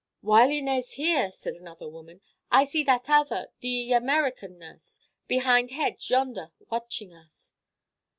"While Inez here," said another woman, "I see that other—the American nurse—behind hedge, yonder, watching us."